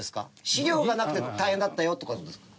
資料がなくて大変だったよって事ですか？